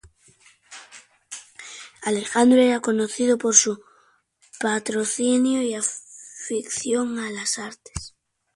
Alejandro era conocido por su patrocinio y afición a las artes.